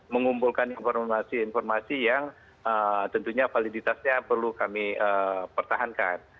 mengumpulkan informasi informasi yang tentunya validitasnya perlu kami pertahankan